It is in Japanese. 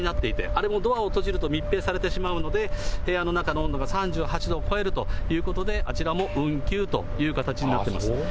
あれもドアを閉じると密閉されてしまうので、部屋の中の温度が３８度を超えるということで、あちらも運休という形になってます。